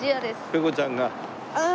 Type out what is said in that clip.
ペコちゃん！